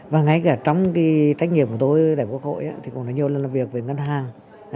và ngay cả trong cái trách nhiệm của tôi để quốc hội thì cũng nói nhiều lần làm việc với ngân hàng